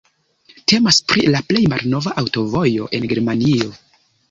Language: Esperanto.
Temas pri la plej malnova aŭtovojo en Germanio.